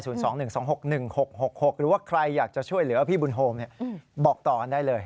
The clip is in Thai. ๐๒๑๒๖๑๖๖๖หรือว่าใครอยากจะช่วยเหลือพี่บุญโฮมบอกต่อได้เลย